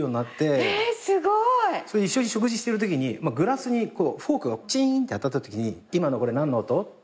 一緒に食事してるときにグラスにフォークがチーンってあたったときに今のこれ何の音？って。